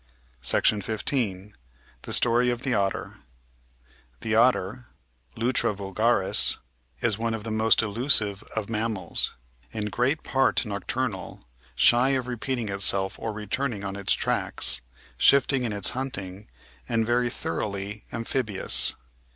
§ 15 The Story of the Otter The Otter {Lutra wlgaris) is one of the most elusive of mammals, in great part nocturnal, shy of repeating itself or re turning on its tracks, shifting in its hunting, and very thoroughly amphibious.